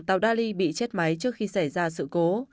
tàu dali bị chết máy trước khi xảy ra sự cố